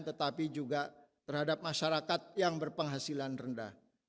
tetapi juga terhadap masyarakat yang berpenghasilan rendah